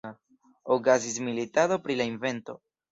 Okazis militado pri la invento.